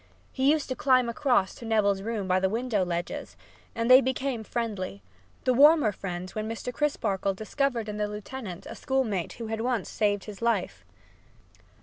He used to climb across to Neville's room by the window ledges, and they became friendly the warmer friends when Mr. Crisparkle discovered in the lieutenant a schoolmate who had once saved his life.